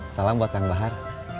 salam buat yang bahar